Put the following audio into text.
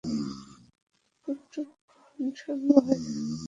কুক্কুটগণ শ্যেনকে ভয় করে, হংসশাবকগণ জল ভালবাসে, এ-দুইটিই পূর্ব অভিজ্ঞতার ফল।